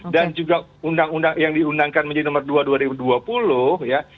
dan juga undang undang yang diundangkan menjadi nomor dua dua ribu dua puluh ya